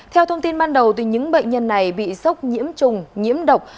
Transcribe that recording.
theo thông tin ban đầu những bệnh nhân này bị sốc nhiễm trùng nhiễm độc